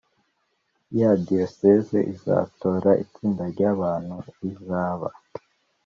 ya Diyoseze izatora itsinda ry abantu rizaba